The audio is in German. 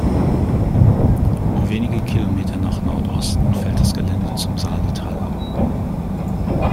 Wenige Kilometer nach Nordosten fällt das Gelände zum Saaletal ab.